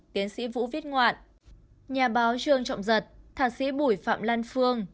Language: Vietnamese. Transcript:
tiến sĩ vũ viết ngoạn nhà báo trương trọng giật thạc sĩ bùi phạm lan phương